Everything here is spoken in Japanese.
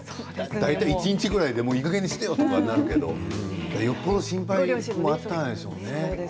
大体、一日ぐらいでいいかげんにしてよってなるけどよっぽど心配だったんでしょうね。